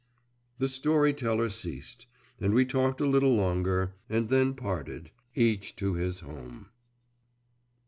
The story teller ceased, and we talked a little longer, and then parted, each to his home.